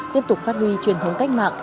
tiếp tục phát huy truyền thống cách mạng